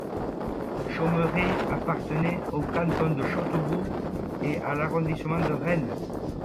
Chaumeré appartenait au canton de Châteaubourg et à l'arrondissement de Rennes.